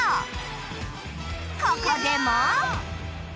ここでも